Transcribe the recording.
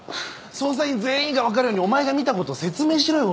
捜査員全員が分かるようにお前が見たこと説明しろよ。